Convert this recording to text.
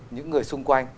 những người xung quanh